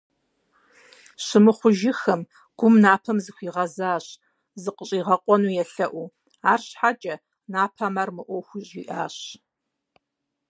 Щымыхъужыххэм, Гум Напэм зыхуигъэзащ, закъыщӀигъэкъуэну елъэӀуу, арщхьэкӀэ, Напэм ар и мыӀуэхуу жиӀащ.